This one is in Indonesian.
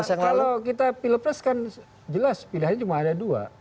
kalau kita pilih pres kan jelas pilihannya cuma ada dua